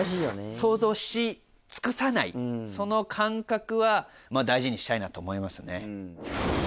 想像し尽くさないその感覚は大事にしたいなと思いますよね。